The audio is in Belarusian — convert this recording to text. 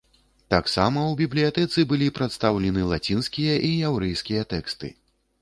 Таксама ў бібліятэцы былі прадстаўлены лацінскія і яўрэйскія тэксты.